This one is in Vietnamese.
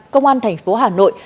công an thành phố hà nội